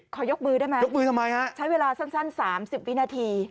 ขอยกมือได้ไหมใช้เวลาสั้น๓๐วินาที